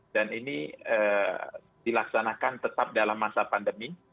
dan ini dilaksanakan tetap dalam masa pandemi